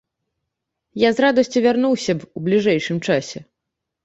Я з радасцю вярнуўся б ў бліжэйшым часе.